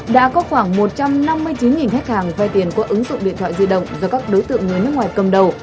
đã có khoảng một trăm năm mươi chín khách hàng vay tiền qua ứng dụng điện thoại di động do các đối tượng người nước ngoài cầm đầu